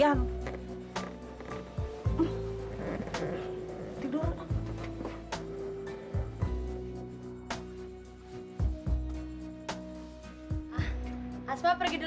t'ing ah bahasanya t'ah ketinggian